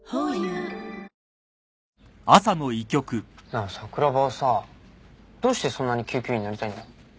なあ桜庭はさどうしてそんなに救急医になりたいんだ？